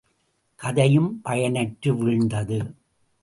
கதையும் பயனற்று வீழ்ந்தது.